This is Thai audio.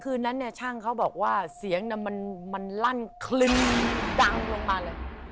คืนนั้นเนี่ยช่างเขาบอกว่าเสียงมันลั่นคลึนดังลงมาเลย